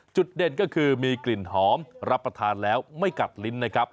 จุดเด่นก็คือมีกลิ่นหอมรับประทานแล้วไม่กัดลิ้นนะครับ